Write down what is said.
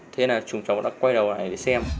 thế nên là chúng cháu đã quay đầu lại để xem